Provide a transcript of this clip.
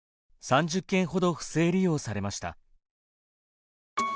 ３０件ほど不正利用されました。